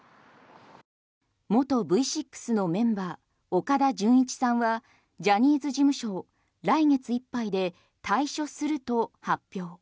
元Ｖ６のメンバー岡田准一さんはジャニーズ事務所を来月いっぱいで退所すると発表。